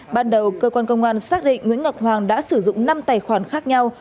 ban đầu cơ quan công an xác định nguyễn ngọc hoàng đã sử dụng năm tài khoản khác nhau